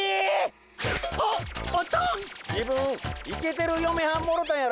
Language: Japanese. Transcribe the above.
自分イケてるよめはんもろたんやろ？